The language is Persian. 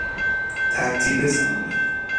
ترتیب زمانی